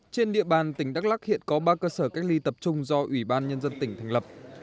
trên địa bàn tỉnh đắk lắc hiện có ba cơ sở cách ly tập trung do ủy ban nhân dân tỉnh thành lập